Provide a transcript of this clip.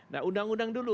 nah undang undang dulu